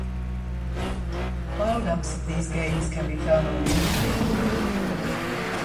File dumps of these games can be found on the Internet.